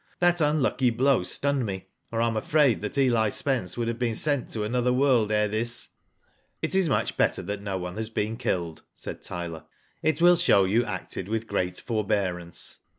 That unlucky blow stunned me, or I am afraid that Eli Spence would have been sent to another world ere this." •Mt is much better that no one has been killed/' said Tyler. " It will show you acted with great forbearance."